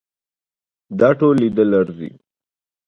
دا ټول لیدل ارزي.